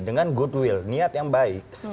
dengan good will niat yang baik